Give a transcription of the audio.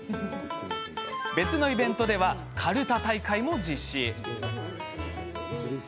別のイベントではかるた大会も実施。